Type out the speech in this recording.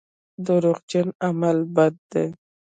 دروغجن عمل بد دی.